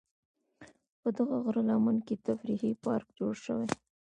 په دغه غره لمن کې تفریحي پارک جوړ شوی.